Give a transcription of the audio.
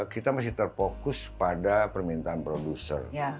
kita masih terfokus pada permintaan produser